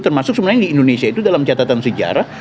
termasuk sebenarnya di indonesia itu dalam catatan sejarah